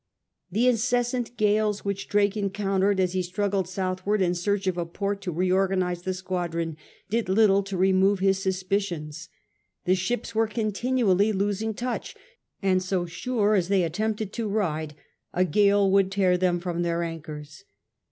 The incessant gales which Drake encountered as he struggled southward in search of a port to reorganise the squadron did little to remove his suspicions. The ships were continually losing touch, and so sure as they attempted to ride, a gale would tear them from their anchors.